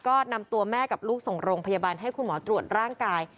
ก็นำตัวแม่กับลูกส่งโรงพยาบาลให้คุณหมอตรวจร่างกาย